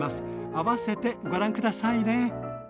あわせてご覧下さいね。